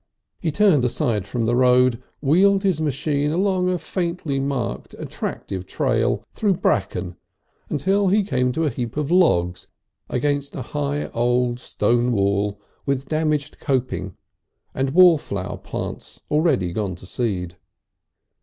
He turned aside from the road, wheeled his machine along a faintly marked attractive trail through bracken until he came to a heap of logs against a high old stone wall with a damaged coping and wallflower plants already gone to seed.